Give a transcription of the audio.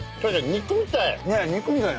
肉みたい。